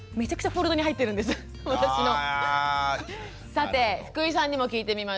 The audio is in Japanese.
さて福井さんにも聞いてみましょう。